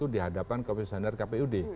di hadapan komisioner kpud